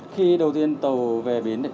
khi đầu tiên tàu về bến